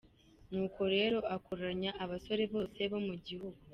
Ni uko rero akoranya abasore bose bo mu gihugu,.